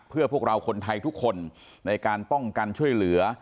เพื่อพวกเราคนไทยทุกคนในการป้องกันช่วยเหลือ